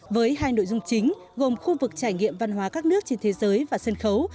với hai nội dung chính gồm khu vực trải nghiệm văn hóa các nước trên thế giới và sân khấu